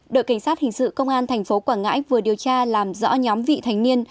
đội cảnh sát hình sự công an thành phố quảng ngãi vừa điều tra làm rõ nhóm vị thành niên